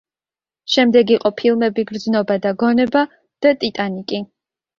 შემდეგ იყო ფილმები „გრძნობა და გონება“ და „ტიტანიკი“.